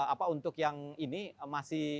apa untuk yang ini masih